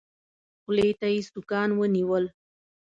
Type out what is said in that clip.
خولې ته يې سوکان ونيول.